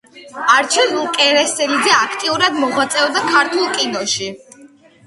არჩილ კერესელიძე აქტიურად მოღვაწეობდა ქართულ კინოში.